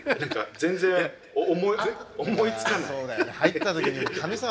全然思いつかない。